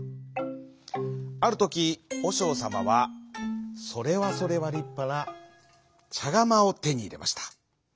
あるときおしょうさまはそれはそれはりっぱなちゃがまをてにいれました。